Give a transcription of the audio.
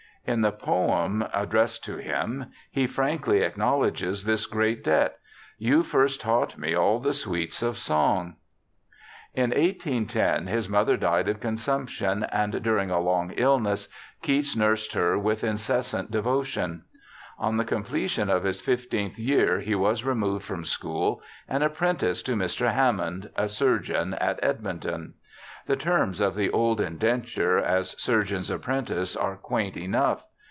In the poem addressed to him he frankly acknowledges this great debt, 'you first taught me all the sweets of song.' In 1810 his mother died of consumption, and during a long illness Keats nursed her with incessant devo tion. On the completion of his fifteenth j^ear he was re moved from school and apprenticed to Mr. Hammond, a surgeon at Edmonton. The terms of the old inden ture as surgeon's apprentice are quaint enough.